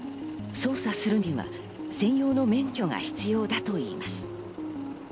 操作するには専用の免許が必要だといいます。